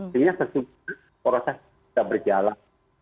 sehingga sesungguhnya proses sudah berjalan